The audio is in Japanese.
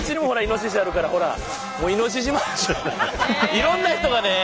いろんな人がね